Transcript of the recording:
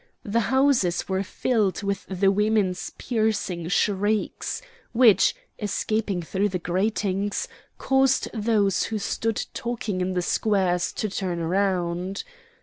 The houses were filled with the women's piercing shrieks, which, escaping through the gratings, caused those who stood talking in the squares to turn round.